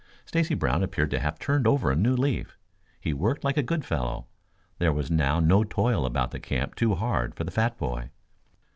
Stacy Brown appeared to have turned over a new leaf. He worked like a good fellow. There was now no toil about the camp too hard for the fat boy.